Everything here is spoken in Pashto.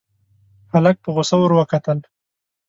هلک په غوسه ور وکتل.